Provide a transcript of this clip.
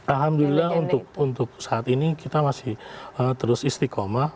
alhamdulillah untuk saat ini kita masih terus istiqomah